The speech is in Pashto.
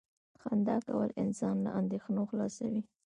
• خندا کول انسان له اندېښنو خلاصوي.